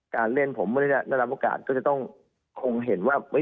การเล่นผมไม่ได้ได้รับโอกาสก็จะต้องคงเห็นว่า